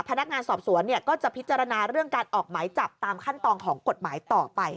พนักงานสอบสวนก็จะพิจารณาเรื่องการออกหมายจับตามขั้นตอนของกฎหมายต่อไป